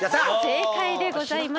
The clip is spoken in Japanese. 正解でございます。